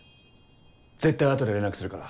絶対後で連絡するから。